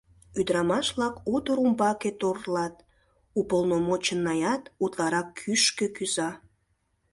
Ӱдырамаш-влак утыр умбаке торлат — уполномоченныят утларак кӱшкӧ кӱза.